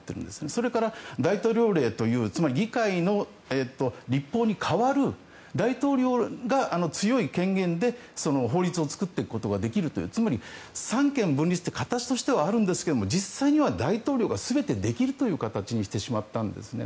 それから大統領令というつまり議会の立法に代わる大統領が強い権限でその法律を作っていくことができるというつまり、三権分立って形としてはあるんですが実際には大統領が全てできるという形にしてしまったんですね。